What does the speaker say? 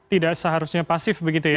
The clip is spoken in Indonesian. tidak seharusnya pasif begitu ya